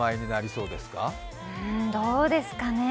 うーん、どうですかね。